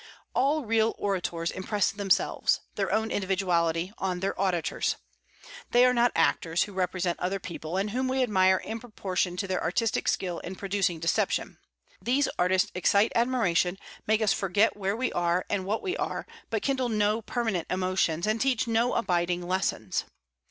All real orators impress themselves their own individuality on their auditors. They are not actors, who represent other people, and whom we admire in proportion to their artistic skill in producing deception. These artists excite admiration, make us forget where we are and what we are, but kindle no permanent emotions, and teach no abiding lessons.